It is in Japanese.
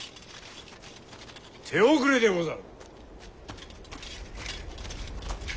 手遅れでござる。